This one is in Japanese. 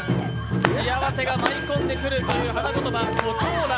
幸せが舞い込んでくると言う花言葉、胡蝶蘭。